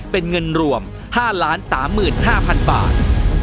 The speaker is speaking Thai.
เป็นเงินรวมห้าล้านสามหมื่นห้าพันบาท